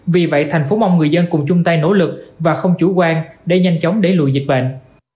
vì vậy thành phố mong người dân cùng chung tay nỗ lực và không chủ quan để nhanh chóng để lùi dịch bệnh